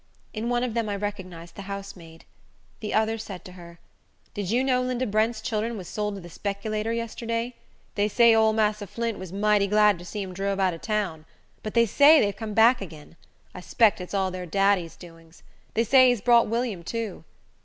In one of them I recognized the housemaid. The other said to her, "Did you know Linda Brent's children was sold to the speculator yesterday. They say ole massa Flint was mighty glad to see 'em drove out of town; but they say they've come back agin. I 'spect it's all their daddy's doings. They say he's bought William too.